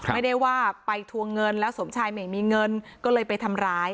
ไม่ได้ว่าไปทวงเงินแล้วสมชายไม่มีเงินก็เลยไปทำร้าย